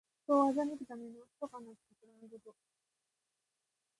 人を欺くためのひそかなたくらみごと。